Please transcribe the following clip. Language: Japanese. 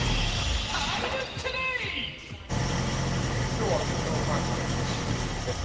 今日は勤労感謝の日、祝日です。